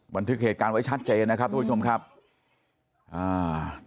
บันทึกเหตุการณ์ไว้ชัดเจนนะครับทุกผู้ชมครับอ่า